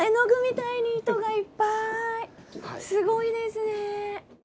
すごいですね！